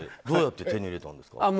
どうやって手に入れたんですか？